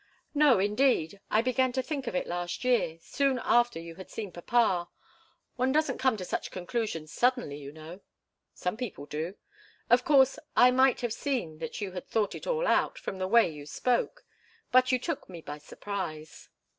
"No, indeed! I began to think of it last year soon after you had seen papa. One doesn't come to such conclusions suddenly, you know." "Some people do. Of course, I might have seen that you had thought it all out, from the way you spoke. But you took me by surprise."